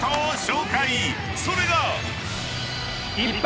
［それが］